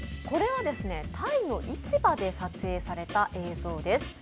これは、タイの市場で撮影された映像です。